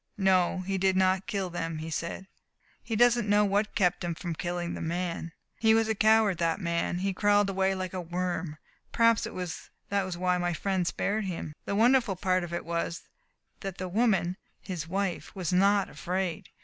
"No, he did not kill them," he said. "He doesn't know what kept him from killing the man. He was a coward, that man. He crawled away like a worm. Perhaps that was why my friend spared him. The wonderful part of it was that the woman his wife was not afraid.